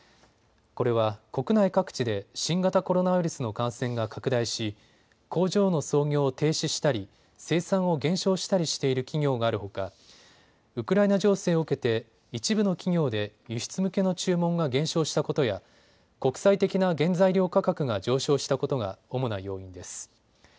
これは国内各地で新型コロナウイルスの感染が拡大し工場の操業を停止したり生産を減少したりしている企業があるほかウクライナ情勢を受けて一部の企業で輸出向けの注文が減少したことや国際的な原材料価格が上昇したことが主な要因です。